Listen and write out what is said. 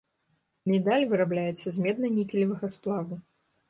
Медаль вырабляецца з медна-нікелевага сплаву.